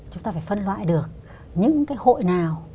chúng ta phải phân loại được những cái hội nào